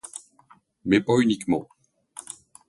Mais pas uniquement.